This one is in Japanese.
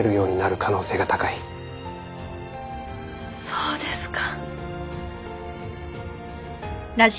そうですか。